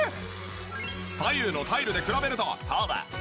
左右のタイルで比べるとほらお見事！